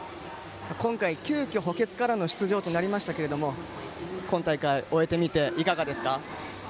今回、急きょ補欠からの出場でしたが今大会を終えてみていかがですか？